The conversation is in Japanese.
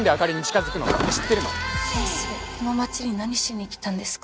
この町に何しに来たんですか？